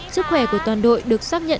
sức khỏe của toàn đội được xác nhận